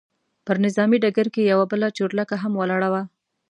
پر نظامي ډګر کې یوه بله چورلکه هم ولاړه وه.